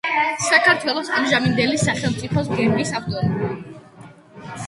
საქართველოს ამჟამინდელი სახელმწიფო გერბის ავტორი.